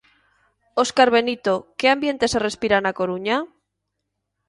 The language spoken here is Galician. Óscar Benito, que ambiente se respira na Coruña?